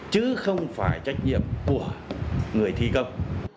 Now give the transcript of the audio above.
chứ không phải trách nhiệm của người thi công